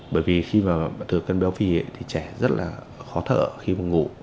bởi vì khi mà thừa cân béo phì thì trẻ rất là khó thở khi mà ngủ